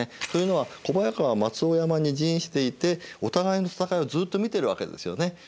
というのは小早川は松尾山に陣していてお互いの戦いをずっと見てるわけですよね。